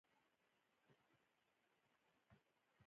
احمد لکه ګيدړه په لم سړی تېرباسي.